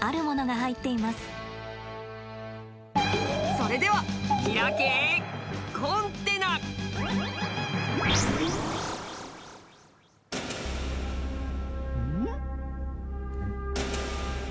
それではうん？